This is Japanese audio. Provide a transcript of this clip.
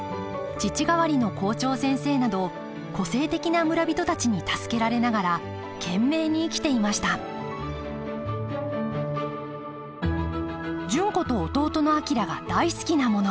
父代わりの校長先生など個性的な村人たちに助けられながら懸命に生きていました純子と弟の昭が大好きなもの。